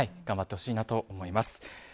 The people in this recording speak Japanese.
頑張ってほしいなと思います。